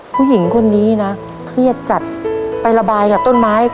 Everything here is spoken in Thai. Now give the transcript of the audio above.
ผู้หญิงคนนี้นะเครียดจัดไประบายกับต้นไม้